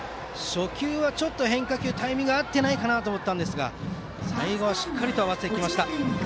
初球は変化球にタイミングが合っていないかなと思ったんですが最後はしっかりと合わせました。